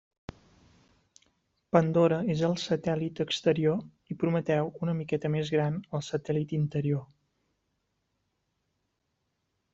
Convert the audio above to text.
Pandora és el satèl·lit exterior i Prometeu, una miqueta més gran, el satèl·lit interior.